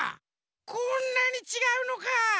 こんなにちがうのか。